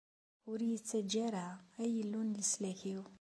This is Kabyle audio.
Ur iyi-ttaǧǧa ara, ay Illu n leslak-iw!